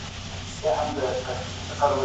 ستونزې د ژوند برخه دي.